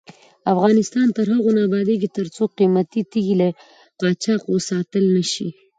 افغانستان تر هغو نه ابادیږي، ترڅو قیمتي تیږې له قاچاق وساتل نشي.